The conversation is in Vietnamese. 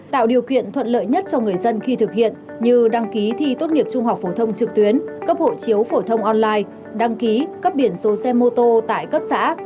tạo điều kiện thuận lợi nhất cho người dân khi thực hiện như đăng ký thi tốt nghiệp trung học phổ thông trực tuyến cấp hộ chiếu phổ thông online đăng ký cấp biển số xe mô tô tại cấp xã